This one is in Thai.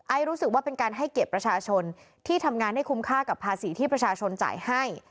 รู้สึกว่าเป็นการให้เกียรติประชาชนที่ทำงานให้คุ้มค่ากับภาษีที่ประชาชนจ่ายให้